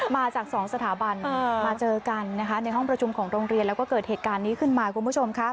มาจากสองสถาบันมาเจอกันนะคะในห้องประชุมของโรงเรียนแล้วก็เกิดเหตุการณ์นี้ขึ้นมาคุณผู้ชมค่ะ